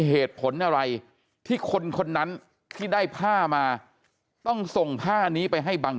เหตุผลอะไรที่คนคนนั้นที่ได้ผ้ามาต้องส่งผ้านี้ไปให้บัง